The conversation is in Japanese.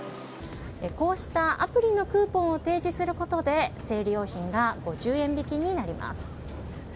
こうした、アプリのクーポンを提示することで生理用品が５０円引きになります。